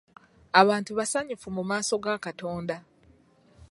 Abantu basanyufu mu maaso ga Katonda.